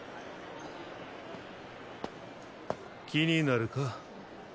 気になるか？